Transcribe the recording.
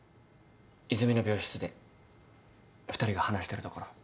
泉の病室で２人が話してるところ。